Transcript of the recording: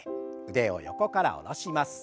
腕を横から下ろします。